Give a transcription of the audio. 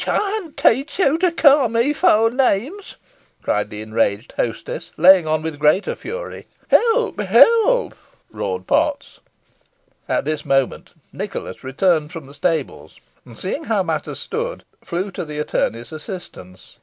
Ey'n teach yo' to ca' me feaw names," cried the enraged hostess, laying on with greater fury. "Help! help!" roared Potts. At this moment Nicholas returned from the stables, and, seeing how matters stood, flew to the attorney's assistance.